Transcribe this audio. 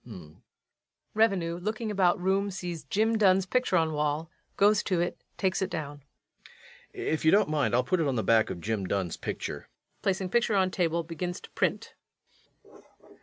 REVENUE. [Looking about room, sees JIM DUNN's picture on wall, goes to it, takes it down.] If you don't mind, I'll put it on the back of Jim Dunn's picture. [_Placing picture on table, begins to print.